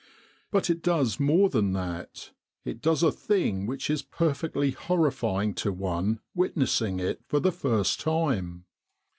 But it does more than that. It does a thing which is perfectly horrifying to one witnessing it for the first time.